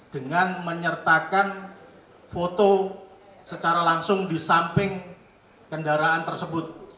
dengan menyertakan foto secara langsung di samping kendaraan tersebut